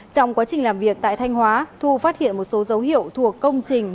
trong quá trình làm việc tại thanh hóa thu phát hiện một số dấu hiệu thuộc công trình